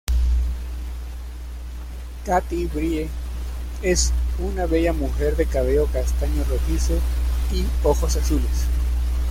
Catti-Brie es una bella mujer de cabello castaño rojizo y ojos azules.